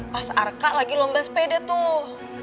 pas arka lagi lomba sepeda tuh